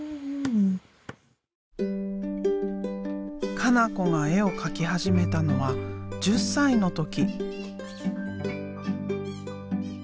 加那子が絵を描き始めたのは１０歳の時。